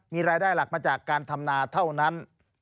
มีรายได้หลักมาจากการทำนาเท่านั้น